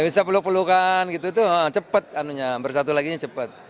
ya bisa peluk pelukan gitu itu cepet anunya bersatu lagi nya cepet